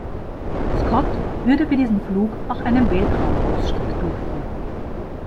Scott würde bei diesem Flug auch einen Weltraumausstieg durchführen.